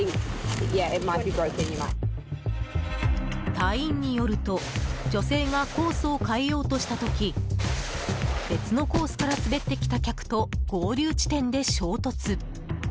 隊員によると女性がコースを変えようとした時別のコースから滑ってきた客と合流地点で衝突。